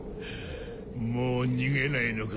もう逃げないのか？